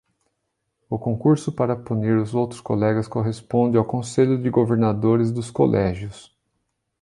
O concurso para punir os outros colegas corresponde ao Conselho de Governadores dos colégios.